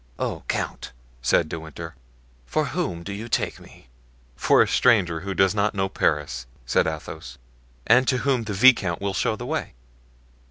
"Oh! count," said De Winter, "for whom do you take me?" "For a stranger who does not know Paris," said Athos, "and to whom the viscount will show the way."